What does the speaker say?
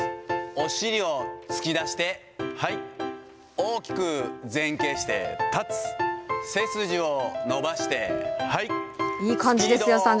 お尻を突き出して、はい、大きく前傾して立つ、背筋を伸ばして、いい感じですよ、三條さん。